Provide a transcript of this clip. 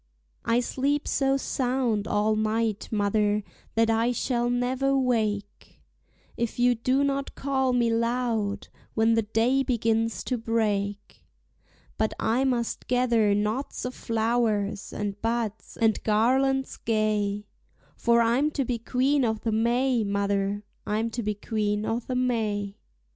I sleep so sound all night, mother, that I shall never wake, If you do not call me loud when the day begins to break; But I must gather knots of flowers and buds, and garlands gay; For I'm to be Queen o' the May, mother, I'm to be Queen o' the May.